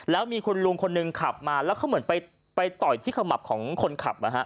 แล้วมีคุณลุงคนหนึ่งขับมาแล้วเขาเหมือนไปต่อยที่ขมับของคนขับ